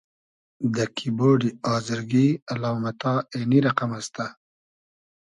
دۂ کیبۉرۮی آزرگی الامئتا اېنی رئقئم استۂ: